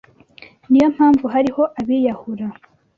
niyo mpamvu hariho abiyahura.